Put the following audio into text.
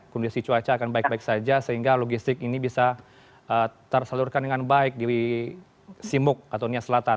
kondisi cuaca akan baik baik saja sehingga logistik ini bisa tersalurkan dengan baik di simuk atau nia selatan